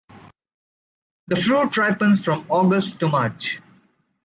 The fruit ripens from August to March.